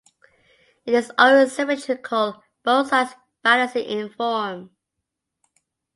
It is always symmetrical, both sides balancing in form.